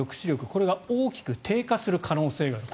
これが大きく低下する可能性がある。